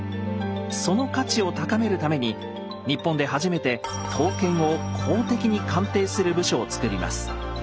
その価値を高めるために日本で初めて刀剣を公的に鑑定する部署を作ります。